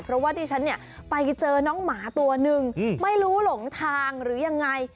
เพราะว่าดิฉันเนี่ยไปเจอน้องหมาตัวนึงไม่รู้หลงทางหรือยังไง